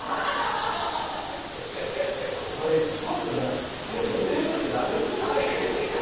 これちょっとレベルじゃなくてラベルがちがいますね。